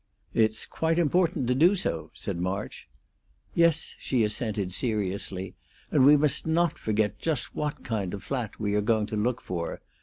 "It's quite important to do so," said March. "Yes," she assented, seriously, "and we must not forget just what kind of flat we are going to look for.